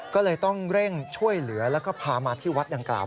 ก็เลยต้องเร่งช่วยเหลือแล้วก็พามาที่วัดดังกล่าว